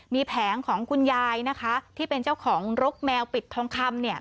มีแผงของคุณยายนะคะที่เป็นเจ้าของรกแมวปิดทองคำเนี่ย